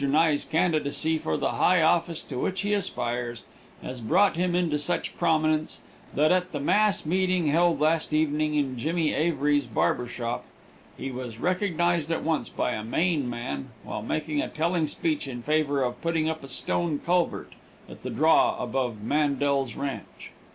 Nye's candidacy for the high office to which he aspires has brought him into such prominence that at the mass meeting held last evening in Jimmy Avery's barber shop, he was recognized at once by a Maine man while making a telling speech in favor of putting in a stone culvert at the draw above Mandel's ranch.